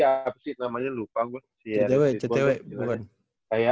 seleksi namanya lupa gua